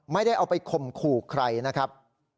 ไม่ได้เอาไปข่มขู่ใครนะครับ